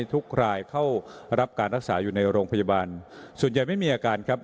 ทุกรายเข้ารับการรักษาอยู่ในโรงพยาบาลส่วนใหญ่ไม่มีอาการครับ